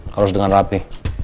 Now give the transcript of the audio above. harus dengan rapi